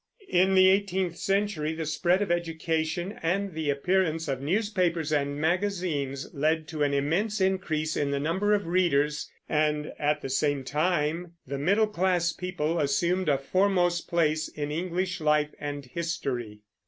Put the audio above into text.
In the eighteenth century the spread of education and the appearance of newspapers and magazines led to an immense increase in the number of readers; and at the same time the middle class people assumed a foremost place in English life and history.